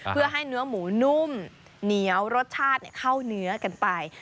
เพื่อให้เนื้อหมูนุ่มเหนียวรสชาติเข้าเนื้อกันไป